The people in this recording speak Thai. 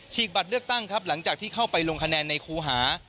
บัตรเลือกตั้งครับหลังจากที่เข้าไปลงคะแนนในครูหา